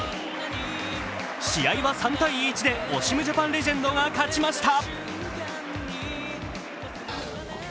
試合は３−１でオシムジャパンレジェンドが勝ちました。